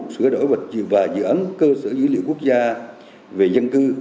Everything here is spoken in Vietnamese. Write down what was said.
sửa đổi và dự án cơ sở dữ liệu quốc gia về dân cư